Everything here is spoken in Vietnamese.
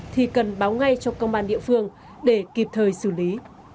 thì cần báo ngay cho công an địa phương để kịp thời xử lý